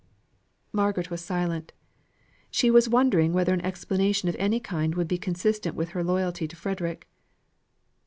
Margaret was silent. She was wondering whether an explanation of any kind would be consistent with her loyalty to Frederick.